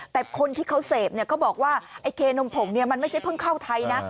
แต่คนที่เขาเสพเนี่ยเขาบอกว่าไอ้เคนมผงเนี่ยมันไม่ใช่เพิ่งเข้าไทยนะ